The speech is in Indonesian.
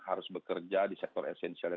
harus bekerja di sektor esensial dan